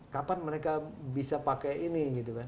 kapan mereka bisa pakai ini